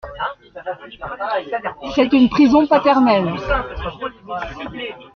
C'est une prison paternelle.